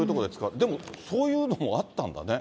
でも、そういうのもあったんだね。